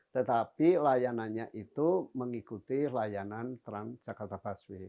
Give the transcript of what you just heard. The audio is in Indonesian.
tetapi layanannya itu mengikuti layanan tras jakarta busway